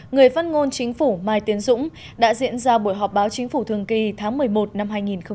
người phát ngôn chính phủ mai tiến dũng đã diễn ra buổi họp báo chính phủ thường kỳ tháng một mươi một năm hai nghìn một mươi chín